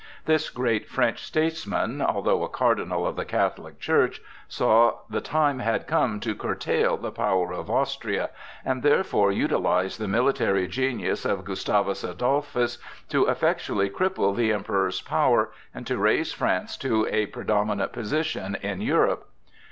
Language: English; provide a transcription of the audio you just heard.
This great French statesman, although a cardinal of the Catholic Church, saw the time had come to curtail the power of Austria, and therefore utilized the military genius of Gustavus Adolphus to effectually cripple the Emperor's power, and to raise France to a predominant position in Europe.